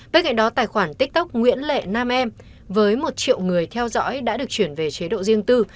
bên cạnh đó tài khoản tiktok nguyễn lệ nam em với một triệu người theo dõi đã được chuyển về chế độ riêng tư